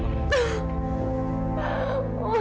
jebelit gsized tau dan gebong